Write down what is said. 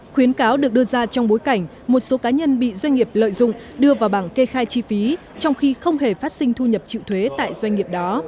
khuyến cáo được đưa ra trong bối cảnh một số cá nhân bị doanh nghiệp lợi dụng đưa vào bảng kê khai chi phí trong khi không hề phát sinh thu nhập chịu thuế tại doanh nghiệp đó